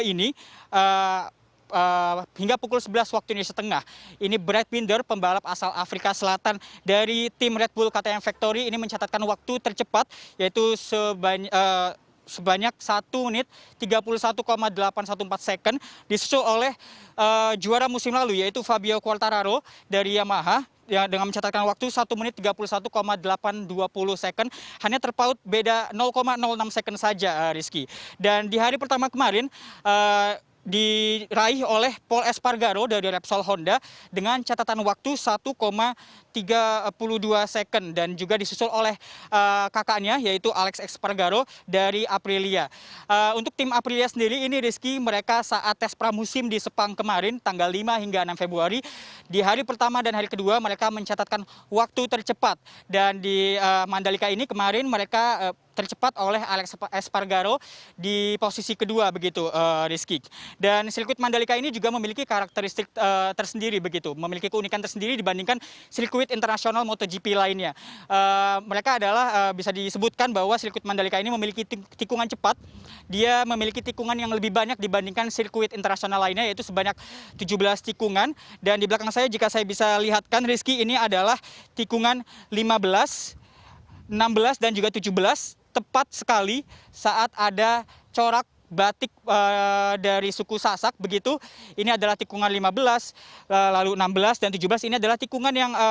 hari kedua ini hingga pukul sebelas waktu ini setengah ini brad pinder pembalap asal afrika selatan dari tim red bull ktm factory ini mencatatkan waktu tercepat yaitu sebanyak satu menit tiga puluh satu delapan ratus empat belas second disesua oleh juara musim lalu yaitu fabio quartararo dari yamaha dengan mencatatkan waktu satu menit tiga puluh satu delapan ratus dua puluh second hanya terpaut beda enam second saja rizky